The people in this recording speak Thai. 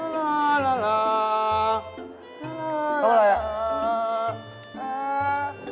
เขาอะไร